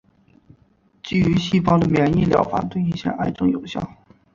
基于细胞的免疫疗法对一些癌症有效。